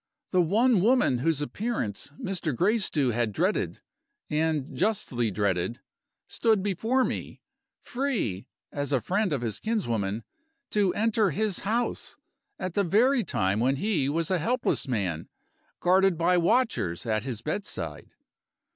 The one woman whose appearance Mr. Gracedieu had dreaded, and justly dreaded, stood before me free, as a friend of his kinswoman, to enter his house, at the very time when he was a helpless man, guarded by watchers at his bedside.